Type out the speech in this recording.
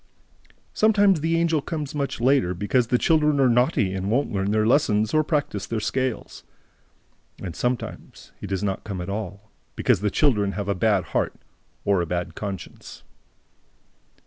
Sometimes, the Angel comes much later, because the children are naughty and won't learn their lessons or practise their scales. And, sometimes, he does not come at all, because the children have a bad heart or a bad conscience.